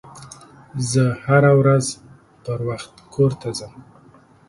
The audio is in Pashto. زه هره ورځ پروخت کور ته ځم